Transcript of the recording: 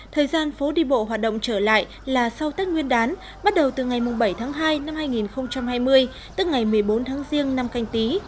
thời gian phố đi bộ hoạt động trở lại là sau tết nguyên đán bắt đầu từ ngày bảy tháng hai năm hai nghìn hai mươi tức ngày một mươi bốn tháng riêng năm canh tí